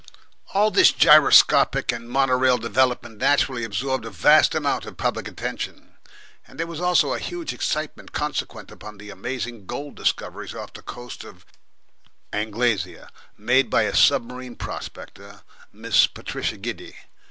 All this gyroscopic and mono rail development naturally absorbed a vast amount of public attention, and there was also a huge excitement consequent upon the amazing gold discoveries off the coast of Anglesea made by a submarine prospector, Miss Patricia Giddy.